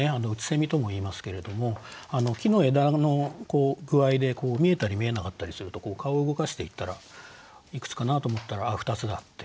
空とも言いますけれども木の枝の具合で見えたり見えなかったりすると顔を動かしていったらいくつかなと思ったらああ２つだって。